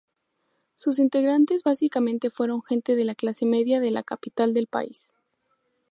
Sus integrantes básicamente fueron gente de clase media de la capital del país.